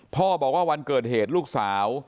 พ่อบอกว่าวันเกิดเหตุลูกสาว